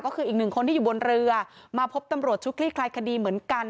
ก็คืออีกหนึ่งคนที่อยู่บนเรือมาพบตำรวจชุดคลี่คลายคดีเหมือนกัน